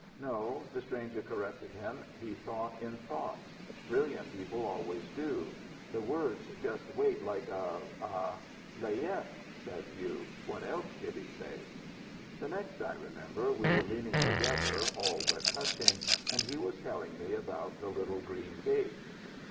"No," the stranger corrected him. "He thought in thoughts. Brilliant people always do. The words just wait like a a " "Layette," said Hugh. "What else did he say?" "The next I remember we were leaning together, all but touching. And he was telling me about the little green gate."